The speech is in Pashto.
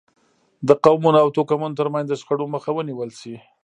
د قومونو او توکمونو ترمنځ د شخړو مخه ونیول شي.